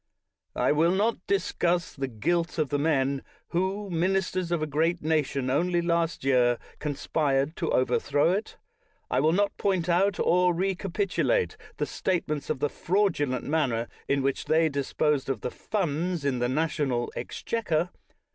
I will not discuss the guilt of the men who, ministers of a great nation only last year, con spired to overthrow it. I will not point out or recapitulate the statements of the fraudulent manner in which they disposed of the funds in the national exchequer.